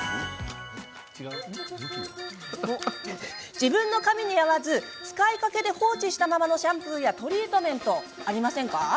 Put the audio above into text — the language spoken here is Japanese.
自分の髪に合わず、使いかけで放置したままのシャンプーやトリートメント、ありませんか？